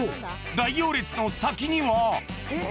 大行列の先には？